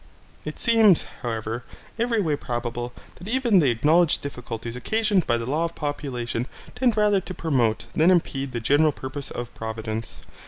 It seems, however, every way probable that even the acknowledged difficulties occasioned by the law of population tend rather to promote than impede the general purpose of Providence.